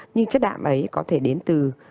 nhưng chất đạm ấy có thể đến từ